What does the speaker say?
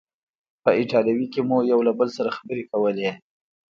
په ایټالوي کې مو یو له بل سره خبرې کولې.